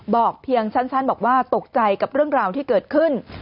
เพียงสั้นบอกว่าตกใจกับเรื่องราวที่เกิดขึ้น